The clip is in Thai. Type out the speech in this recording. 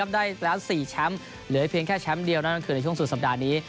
ได้แล้ว๔แชมป์เหลือเพียงแค่แชมป์เดียวนั่นคือในช่วงสุดสัปดาห์นี้